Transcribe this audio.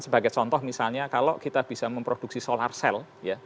sebagai contoh misalnya kalau kita bisa memproduksi solar cell